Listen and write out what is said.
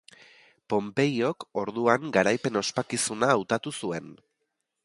Ponpeiok orduan garaipen-ospakizuna hautatu zuen.